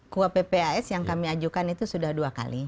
kuap ppas yang kami ajukan itu sudah dua kali